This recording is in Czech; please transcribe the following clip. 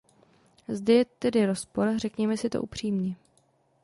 Zde je tedy rozpor, řekněme si to upřímně.